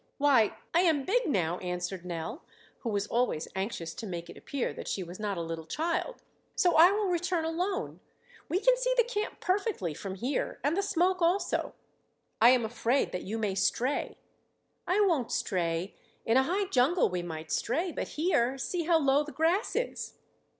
"Why, I am big now," answered Nell, who was always anxious to make it appear that she was not a little child, "so I will return alone. We can see the camp perfectly from here, and the smoke also." "I am afraid that you may stray." "I won't stray. In a high jungle we might stray, but here, see how low the grass is!"